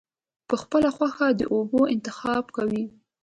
پۀ خپله خوښه د اوبو انتخاب کوي -